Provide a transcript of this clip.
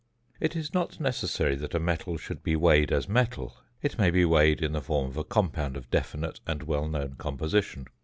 It is not necessary that a metal should be weighed as metal; it may be weighed in the form of a compound of definite and well known composition.